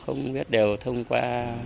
không biết đều thông qua